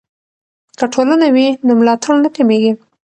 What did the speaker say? که ټولنه وي نو ملاتړ نه کمیږي.